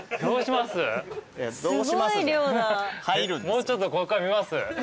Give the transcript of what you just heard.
もうちょっとこっから見ます？